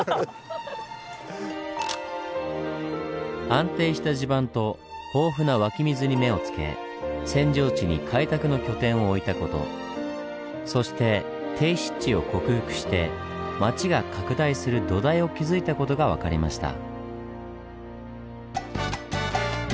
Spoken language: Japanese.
安定した地盤と豊富な湧き水に目を付け扇状地に開拓の拠点を置いた事そして低湿地を克服して町が拡大する土台を築いた事が分かりました。